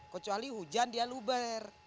kecuali hujan dia luber